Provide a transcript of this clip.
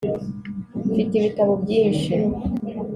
mfite ibitabo byinshi